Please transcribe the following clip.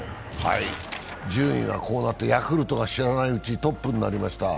順位がこうなってヤクルトが知らないうちにトップになりました。